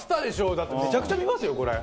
だってめちゃくちゃ見ますよこれ。